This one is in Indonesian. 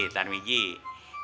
kita ini mau tadarus di masjid